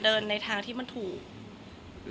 แต่ขวัญไม่สามารถสวมเขาให้แม่ขวัญได้